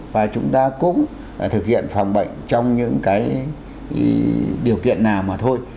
và chúng ta cũng thực hiện phòng bệnh trong những điều kiện nào mà thôi